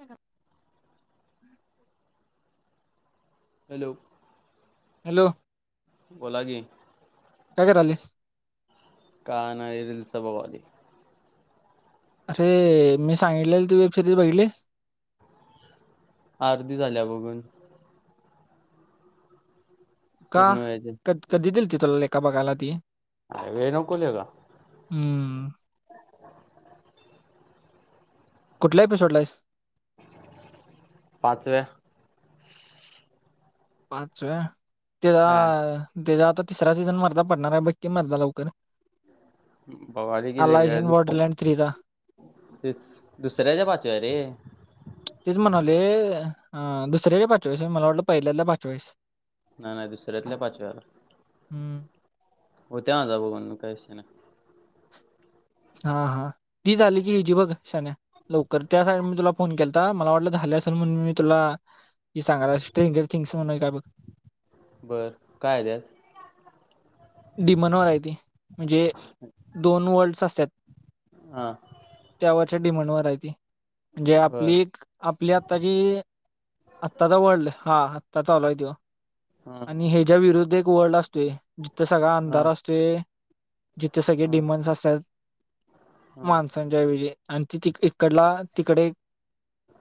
हा hello, hello, बोला की, काय करायला. काय नाही रील्स बघायलोये. अरे मी सांगितले तु फिल्म बघितली. अर्धी झाल्या बघून का पूर्ण व्हायचे ककधी दिलती तुला लेका बघायला ती वेळ नको त्याला हम्म कुठल्या एपिसोडला आहेस. पाचव्या पाचे वा हा त्या त्याचा आता तिसरा सीझन मरता पडणार आहे बघकी मरदा लवकर, बगालोय आलायस इन किभावा बॉर्डरलँड थ्रीचा तेच दुसऱ्याच्या पाचव्या रे तेच म्हणावले दुसर्याकडे पाचवीस मला वाटलं पहिल्याला पाचवा आहे. नाही नाही दुसऱ्यातल्या पाचव्याला हम्म होत्या आ जा बघ काय. आहे ना, हा हा ती झाली की हिजी बघ शण्या लवकर त्या साईड मी तुला फोन केला तर मला वाटलं झालं असे म्हण मी तुला सांगणार्टेंजर थिंग्स काय बघ ह बर काय आहे त्यात डीमनवरय ती म्हणजे दोन वर्ल्डस असतात. हा डीमनवर आहेत ती. म्हणजे बर आपली -आपली आत्ताची -आत्ताचा वर्ल्ड हा चालु आहे तो हा आणि, ह्याच्या विरुद्ध एक वर्ल्ड असतोय. तो सगळा हा अंधार असतो. जिथे सगळे हा डिमांस असतात. हा माणसांच्या ऐवजी आणि ती इकडला -तिकडे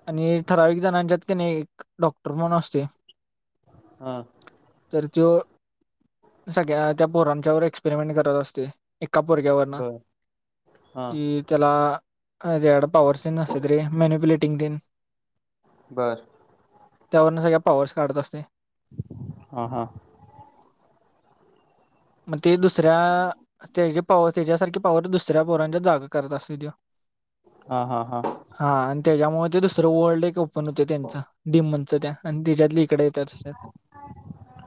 आणि ठरावीक जणांच्यात कणी एक डॉक्टर म्हणुन असते. हा तर तो सगळ्या त्या पोरांच्यावर एक्सपेरिमेंट करत असतो. एका पोरग्यावर ना बर हा कि त्याला ॲड पावरर्सेन असलं तरी मॅन्युप्लेटिंग तेन बर. त्यावरण सगळ्या पॉवर्स काढत असतात. हा हा. मग ते दुसऱ्या त्याच्या पाव त्याच्यासारखी पावर दुसऱ्या पोरांच्या जागा करत असतेत तो. हा हा हा हा आणि त्याच्यामुळे दुसरं वर्ल्ड एक ओपन होत त्यांचं डीमनचं त्या आणि त्याच्यात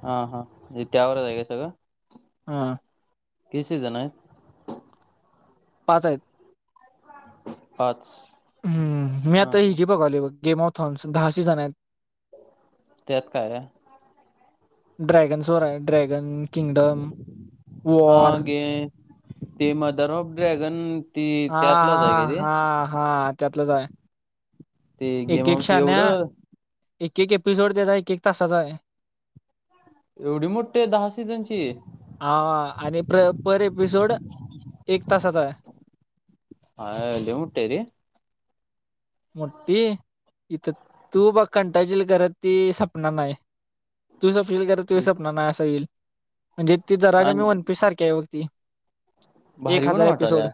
हा हा त्यावर आहे काय सगळं? हा. ते सिजन आहे. पाच आहेत. पाच हं मी हा आता हा हिजी बघाली गेम ऑथॉन दहा सिजन आहेत. त्यात काय आहे? ड्रॅगनसवर आहे. ड्रॅगन, किंगडम, हा वॉर गे ते मदर ऑफ ड्रॅगन, ती हा त्यातलाच हा आहे का ते हा हा त्यातलच आहे. ते गेम एक, एक ऑफ शहाण्या एवढं एक, एक एपिसोड त्याचा एक, एक तासाचा आहे. एवढी मोठी दहा सिजनची! हा आणि प्र पर एपिसोड एक तासाचा आहे. हाय लय मोठीय रे मोठी इथं तू बघ कंटाळचील खरं ती संपनार नाही. तूच संपशील कर तु ते. संपणार नाहीत असं येईल म्हणजे ती जरा का मी आणि वनपीस सारखी आहे. बघ ती, एक भारी पण हजार एपिसोड वाटाल्या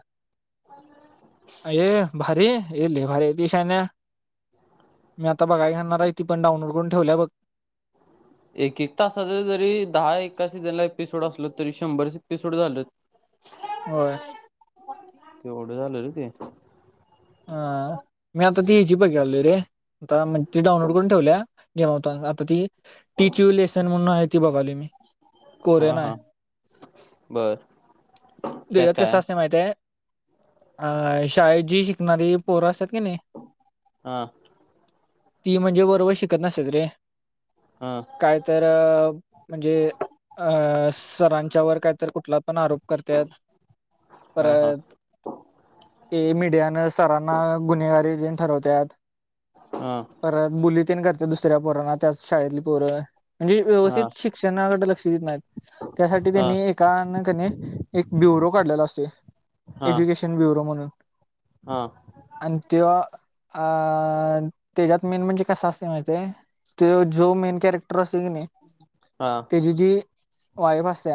अयय भारी लय भारी! देशान मी आता बघायला घेणार आहे. ती पण डाउनलोड करुन ठेवलीय बघ. एक एक तासाच जरी दहा एका सीझनला एपिसोड असल तरी शंभर एपिसोड झालं. होय. तेवढं झालं रे ते अ मी आता ती हिजी बघायलो आहे. रे आता म्हणजे ती डाऊनलोड करून ठेवलीय. जे होता आता ती टीचिंव लेसन म्हणून आहेत. ती बघायलोय मी हा कोरियन आहे. हा बर त्यात देवत्व काय कसाय माहित आहे? अ शाळेत जी शिकणारी पोर असतात. की नाही हा. ती म्हणजे बरोबर शिकत नसतेत रे. हा काय तर म्हणजे अस. सरांच्यावर काय तर कुठला? पण आरोप करत हा हा परत ते मीडियान सरांना गुन्हेगारी देन ठरवतत हा परत बुली तन करते दुसऱ्या पोरांना त्याच शाळेतली पोरं म्हणजे हा व्यवस्थित शिक्षणाकडे लक्ष देत नाही त्यासाठी हा त्यांनी एकाकने एक ब्युरो काढलेला असते हा हा एज्युकेशन ब्युरो म्हणून हा आणि तेव्हा अ त्याच्यात मेन म्हणजे कस असते माहि त जो मेन करेक्ट कॅरेक्टर असतोय की नाही त्याची जी वाईफ असत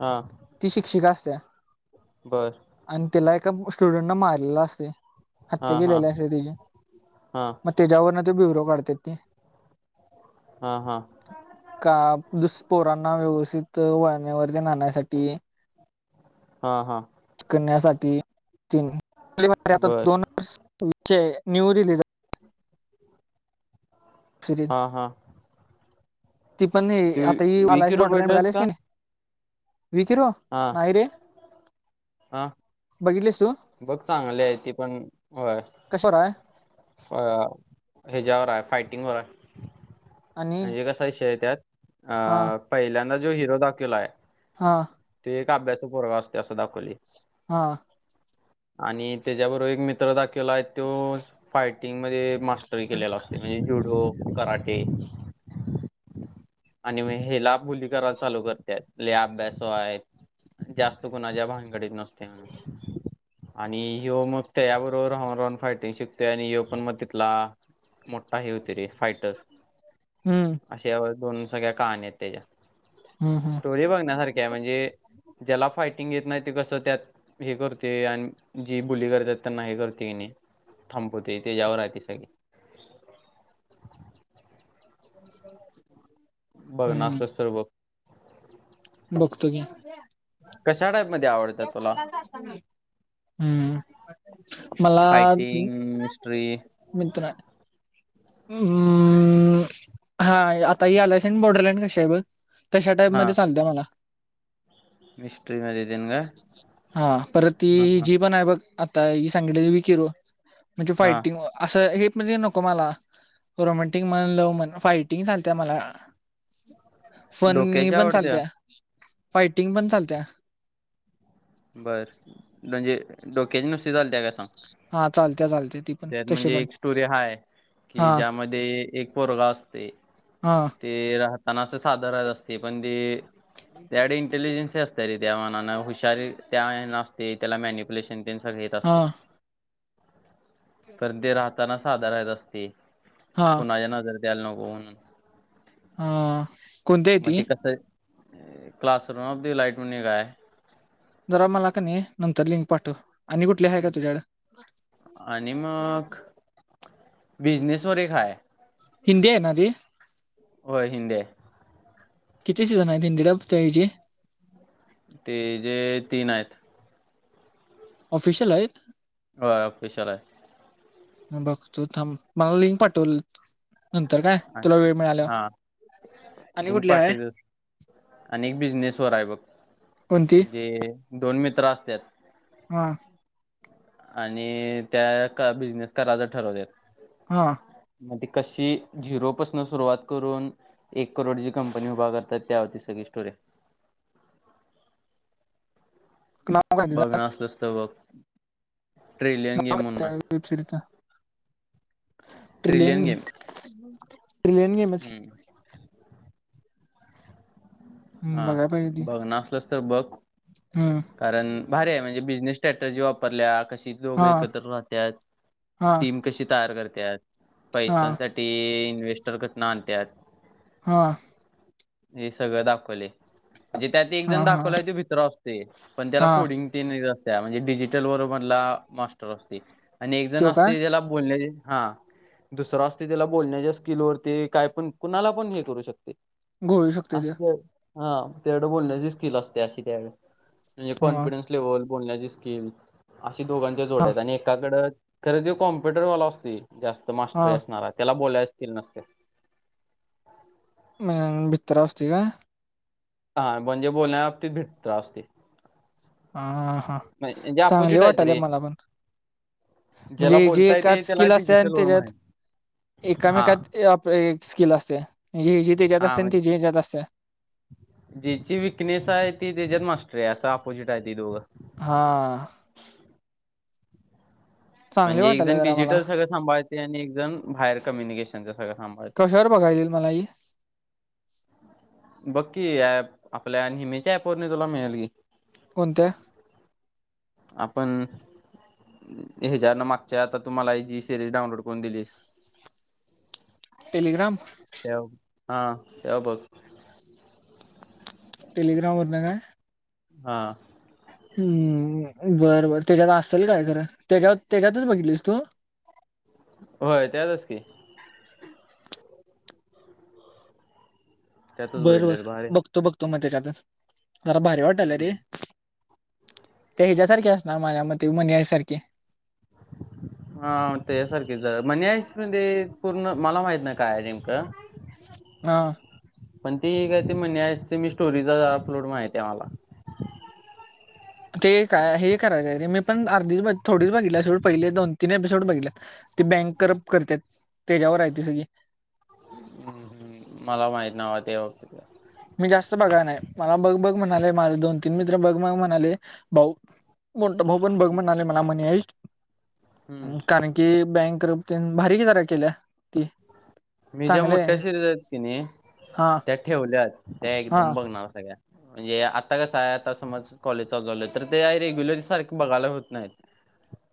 हा ती शिक्षिका असत्या बर आणि तिला एका स्टुडंट न मारलेला असते हा हत्या हा केलेली असते तची हा मग त्याच्यावरन ते ब्युरो काढतेात ती हा हा का दुषपोरा व्यवस्थित वाण्यावरती राहण्यासाठी हा हा ण्याता बर दोन विषय न्यू रिली सिरीज हा हा ती पण ते नाही आता ही वी किलो भेटलेस मलाडेटघालीस का की नाही विकिर हा नाहीय रे हा बघितलीस तू बघ चांगले आहे त पण होय कशावर आहे अ ह्याच्यावर आहे फाईट आणि म्हणे क विष त्या हा पहिल्यांद जो हिरो दाखवला आहे हा अभ्यास पोरग असते असं दाखवली हा आणि त्याच्याबरोबर एक मित्र दाख केला आहे तो फायटिंगमध्ये मास्टरी केलेला असते म्हणजे जुडो कराटे आणि म हेला बुली करा चालू करतेय ले अभ्यास आहेत जास्त कुणाच्या भांगडीत नसते आणि हिो मग त्या याबरोबर राहून राहून फायटिंग शिकतोय आणि हिो पण मग तिथला मोठा हे होते रे फायटर हम्म अशा दोन सगळ्या कहाणी आहेत त्याच्या हम्म हम्म स्टोरी बघण्यासारखी आहे म्हणजे ज्याला फायटिंग घेत नाही ते कस त्यात हे करते आणि जी बुली करतात त्यांना हे करते की नाही थांपवते तेच्या्यावर राहते सगळी [inaudible] ह् बघणार असलं तर बघ बघतो गी कशा टाईप मध्ये आवडतात तुला हम्म मला फायटिंग हिस्ट्री हम् हा आता ह आलायसड बोर्डलँड कशा आहे बघ तशा टाईप हा मध्ये चालत मला मिस्ट्री मध्ये देन का हा परत ती हा हा जी पण आहे बघ आता ही सांगितलेली विकिर म्हणजे हा फायटिंग असं हे म्हणजे नको मला रोमॅटिक म्हण लव्ह म्हण फायटिंग चालते मला फन डोक्याची पण चालत आवडत्या फायटिंग पण चालत्या बरं म्हणजे डोक्याचे नुसते झालं त्या का सांग हा चालत त्यात म्हणजे एक स्टोरी हाय, कि हा ज्यामध्ये एक पोरगा असतुयं. हा ते राहताना साधा रात असतुयं पण ते त्याकडे इंटेलिजन्सी असत रे त्या मानाने हुशारी त्या नसते त्याला मॅनिप्युलेशन तेनं सगळे येत हा असतंय. तर ते राहताना साधं रात असतंय, हा कुणाच्या नजरेतं यायला नको म्हणून. हा कोणत्या यती. क्लासरूमातली लाइट म्हणून एक हाय. जरा मला की नई नंतर लिंक पाठव. आणि कुठली हाय का तुझ्याकडं? बिझनेस वर एक हाय. हिंदी हाय ना ती? व्हयं हिंदी हाय. किती सिजन हायत हिंदी ह्यजे? ते जे तीन आहेत. ऑफिशियल हायत? होतं ऑफिशिअल हाय. बघतो थांब, मला लिंक पाठवलं नंतर काय, तुला आणि- वेळ मिळाल्यावं. हा लिंक पाठवित्यात आणि एक बिझनेस वर आहे बघ. कोणती म्हणजे दोन मित्र असत्यात. हा. आणि त्या का बिझनेस करायचं ठरवत्यात. हा. आणि ती कशी झिरोपासून सुरुवात करून एक करोडचीं कंपनी उभा करत्यात त्यावरती सगळी स टोरी. [unintelligible] नाव काय तिचं बघणार आसलास तर बघ. ट्रिलियन गेम म्हणून आहे वेब सिरीजचं. ट्रिलियन, ट्रिलियन गेमच की. हम्म हा, बघणा आसलस तर बघ. हम्. कारण भारी आहे, म्हणजे बिझनेस स्टॅटजी वापरल्या क कशी दोघ हा एकत्र राहत्यात, हा टीम कशी तयार करत्यात. हा पैशांसाठी इन्व्हेस्टर कुठनं आणत्यात. हा. हे सगळं दाखवले. म्हणजे त्यात एक जण हा हा दाखवला त भीतरा असतुयं, पण त्याला हा कोडिंग तेनं येत असतंय. म्हणजे डिजिटल वर मधला मास्टर असतुयं आणि एक जण तो काय असतुयं त्याला बोलण्याचीं हा, दुसरा असतुयं त्याला बोलण्याच्या स्किलवरती काय पण कुणाला पण, हे करू शकतंय. घोळू शकतोयं त्यो. हा तेयाकडं बोलण्याची स्किल असत्या, अशी त्याकडं. म्हंजे हा कॉन्फिडन्स लेव्हल बोलण्याची स्किल, अशी दोघांच्या हा जोड्या हायत. आणि एकाकडं, खरं तो कॉम्प्युटरवाला असतूय. जास्त हा मास्टर असणार त्याला बोलायचीं स्किल नसत्या. म भीतरा असतुयं का? हा, म्हणजे बोलण्या बाबतीत भिटतो असतुयं. आ हा, चांगली अपोजिट आहेत वाटायला रे मला पण. ज्याला म्हणजे जे बोलता येते एकातं त्याला स्किल असतंय आणि डिजिटल वर त्याज्यात माहित हा एककामेकात ये आपलं स्किल असतयं. म्हंजे ह्यजी त्याज्यात आणि त्यजी ह्यज्यात असत्या. जेची विकनेस हाय ती त्याच्यातं मास्टर हाय असं आपोजिट हाय ती दोघं. हा चांगले म्हणजे एक वाटायला जण जरा मला डिजिटल सगळं सांभाळतेयं आणि एक जण बाहेर कम्युनिकेशनचं सगळं सांभाळतेय. [unintelligible] बघ की ॲप आपल्या नेहमीच्या ॲप वरन तुला मिळेल की! कोणत्या? आपण ह्याच्यान मागच्या आता तुम्हाला जी सिरीज डाउनलोड करून दिलीस. [inaudible] टेलिग्राम हां त्या वर बघ. टेलिग्रामवर न काय? हां. हम्म बर बर त्याच्यात असल काय खरं त्याच्यात त्याच्यातच बघितलीस तू होय त्यातस की [inaudible] त्यातच भेटलेलं बरबर भारी बघतो बघतो मग त्याच्यातच मला भारी वाटाल्या रे हम्म. त्या याच्या सारखी असणार. माझ्या मते मनी आय सारखे [inaudible] हां त्याया सारखीच मणी आहेस. होऊन दे पूर्ण मला माहित नाही काय आहे नेमकं हा पण ती काय मणी ऐश मी स्टोरीज अपलोड माहित आहे मला ते काय हे करायचं रे मी पण अर्धीच बघि थोडीच बघितली सोड. पहिले दोन तीन एपिसोड बघितल्यात बँक करप्ट करत्यात. [inaudible] हम्म हम्म मला माहिती नाही बाबा त्याबाबतीत काय? मी जास्त बागाय नाही मला बघ -बघ म्हणाले माझ दोन तीन मित्र बघ मग म्हणाले भाऊ मोठ भाऊ पण बघ म्हणालय आले मला मणी ऐश हम्म कारण की बँक करप्ट तेन भारी की जरा केल्या. ती मी ज्या चांगले मोठ्या आहे. सिरीज आहेत की नाही हा त्या ठेवल्या. [unintelligible] त्या हा एकदम बघणार सगळ्या म्हणजे आता कस आता समझ कॉलेज चालू झालं तर [unintelligible] रेग्युलर सारखे बघायला होत नाही.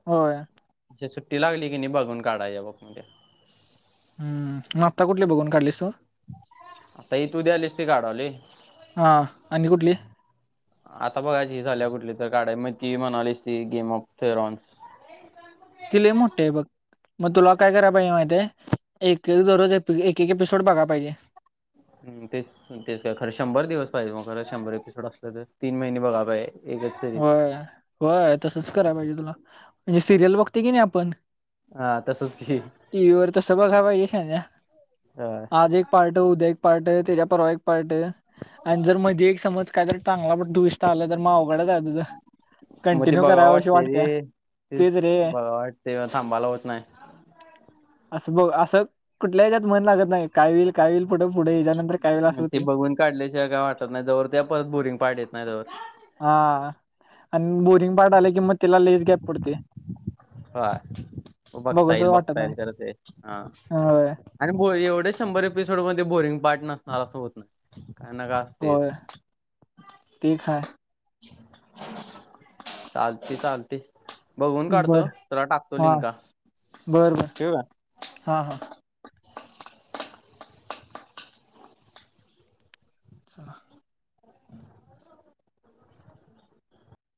होय. अशी सुट्टी लागली की नाही बघून काढाय बघ म्हणजे हम्म मग आत्ता कुठली बघून काढलीस तू? आता हे तू द्यालीस ते काढलोय. हा आणि कुठली आता बघायची झाल्या कुठली तर. काढाय ती म्हणालीच ती गेम ऑफ थेरॉन्स. ती लई मोठी आहे बघ. मग तुला काय कराय पाहिजे माहिती आहे एक- एक दररोज एक -एक एपिसोड बघाय पाहिजे. हम तेच तेच काय खरं शंभर दिवस पाहिजे मग खरं शंभर एपिसोड असलं तर तीन महिने बघाय पाहिजे. एकच सिरीज. होय होय तसच कराय पाहिजे तुला म्हणजे सिरियल बघते किणाय आपण. हां टीव्हीवर तसं बघायला पाहिजे शहाण्या. आज एक पार्ट आहे उद्या एक पार्ट आहे त्याच्या परवा एक पार्ट आहे. आणि जर मध्ये एक समज कायतर चांगला पण ट्वेस्ट आला तर मग अवघडच आहे तुझ. मग ते बघावं वाटते रे तेच बघाव वाटते थांबाला होत नाही. असं बघ असं कुठल्याच्यात मन लागत नाही काय होईल काय होईल पुढ. ते बघून काढल्याशिवाय काय वाटत नाही जवर परत बोरिंग पार्ट येत नाही तवर. हा आणि बोरिंग पार्ट आलं कि मग त्याला लईच गॅप पडतोय. हा बघता येईल वाटत बघता नाही येईल खरं ते हा. होय आणि एवढे शंभर एपिसोड मध्ये बोरिंग पार्ट नसणार असं होत नाही. काय न का होय असतेच. ते काय चालती चालती. बघून बर काढतो तुला टाकतो हा लिंका. बर बर ठेऊ हा काय? चला [inaudible]